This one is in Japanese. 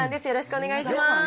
よろしくお願いします。